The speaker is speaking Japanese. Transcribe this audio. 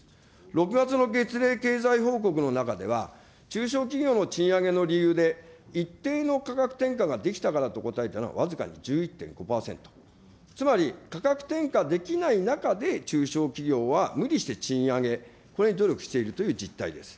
６月の月例経済報告の中では、中小企業の賃上げの理由で、一定の価格転嫁ができたからと答えたのは僅かに１１．５％、つまり価格転嫁できない中で、中小企業は無理して賃上げ、これに努力しているという実態です。